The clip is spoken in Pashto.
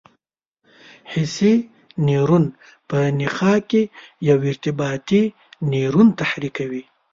حسي نیورون په نخاع کې یو ارتباطي نیورون تحریکوي.